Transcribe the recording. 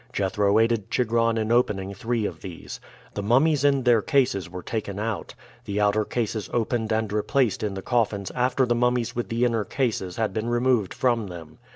Jethro aided Chigron in opening three of these. The mummies in their cases were taken out, the outer cases opened and replaced in the coffins after the mummies with the inner cases had been removed from them.